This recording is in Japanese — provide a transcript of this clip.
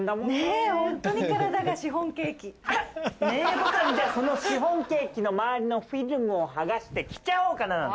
僕はじゃあそのシフォンケーキの周りのフィルムを剥がして着ちゃおうかななんて。